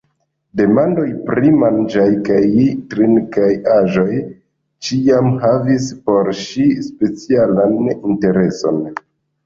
La demandoj pri manĝaj kaj trinkaj aĵoj ĉiam havis por ŝi specialan intereson.